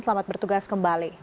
selamat bertugas kembali